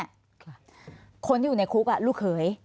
ค่ะคนที่อยู่ในคุกลูกเขย